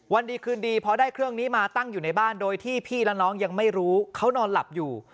วันดีคืนดีพอได้เครื่องนี้มาตั้งอยู่ในบ้านโดยที่พี่และน้องยังไม่รู้เขานอนหลับอยู่